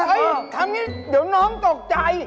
ทำอย่างนี้เดี๋ยวน้องตกใจ